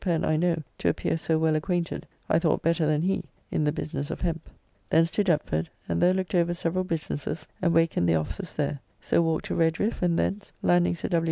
Pen I know to appear so well acquainted, I thought better than he, in the business of hemp; thence to Deptford, and there looked over several businesses, and wakened the officers there; so walked to Redriffe, and thence, landing Sir W.